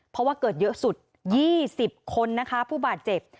เพราะว่าเกิดเยอะสุด๒๐คนนะคะผู้บาดเจ็บ